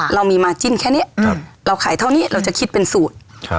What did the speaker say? เรามีมาจิ้นแค่นี้เราขายเท่านี้เราจะคิดเป็นสูตร